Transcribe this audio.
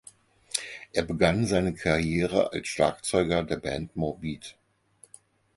Er begann seine Karriere als Schlagzeuger der Band Morbid.